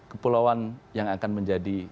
kepulauan yang akan menjadi